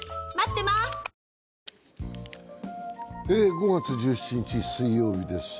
５月１７日、水曜日です。